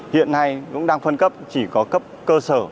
hiện nay cũng đang phân cấp chỉ có cấp cơ sở